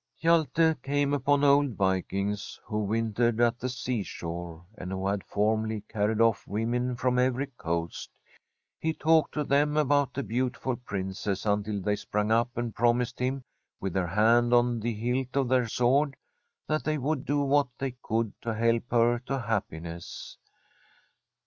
Hjalte came upon old Vikings, who wintered at the seashore, and who had formerly carried oflF women from every coast. He talked to them about the beautiful Princess until they sprang [x8o] ASTRID up and promised him, with their hand on the hilt of their sword, that they would do what they could to help her to happiness.